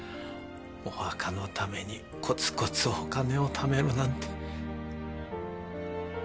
お墓のためにコツコツお金を貯めるなんて。